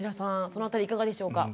そのあたりいかがでしょうか？